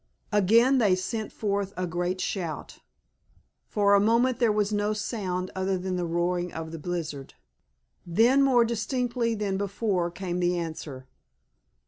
Again they sent forth a great shout. For a moment there was no sound other than the roaring of the blizzard, then more distinctly than before came the answer.